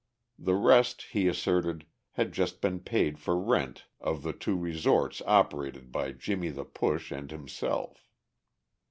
The rest, he asserted, had just been paid for rent of the two resorts operated by "Jimmie the Push" and himself.